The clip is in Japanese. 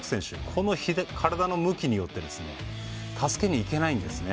この体の向きによって助けに行けないんですね。